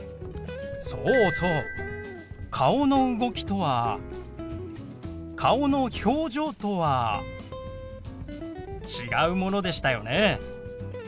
そうそう「顔の動き」とは「顔の表情」とは違うものでしたよね。